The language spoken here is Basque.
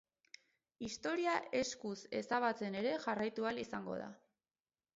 Historia eskuz ezabatzen ere jarraitu ahal izango da.